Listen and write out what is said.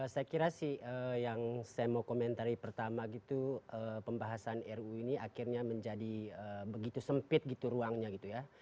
saya kira sih yang saya mau komentari pertama gitu pembahasan ruu ini akhirnya menjadi begitu sempit gitu ruangnya gitu ya